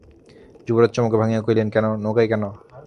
যুবরাজ চমক ভাঙিয়া কহিলেন, কেন, নৌকায় কেন?